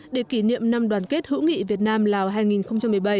để kỷ niệm năm đoàn kết hữu nghị việt nam lào hai nghìn một mươi bảy